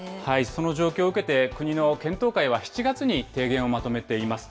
その状況を受けて、国の検討会は７月に提言をまとめています。